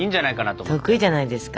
得意じゃないですか。